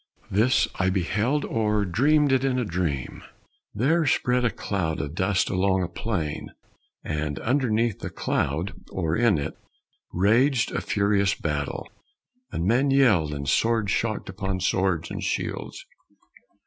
This I beheld, or dreamed it in a dream: There spread a cloud of dust along a plain; And underneath the cloud, or in it, raged A furious battle, and men yelled, and swords Shocked upon swords and shields.